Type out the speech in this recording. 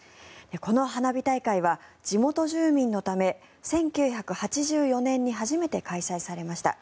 この花火大会は地元住民のため１９８４年に初めて開催されました。